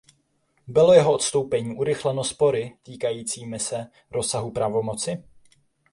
Bylo jeho odstoupení urychleno spory týkajícími se rozsahu pravomoci?